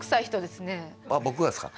僕がですか？